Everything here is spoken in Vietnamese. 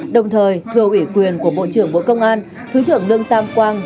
đồng thời thưa ủy quyền của bộ trưởng bộ công an thứ trưởng lương tam quang